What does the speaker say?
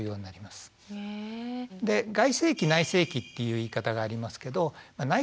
で外性器内性器っていう言い方がありますけど内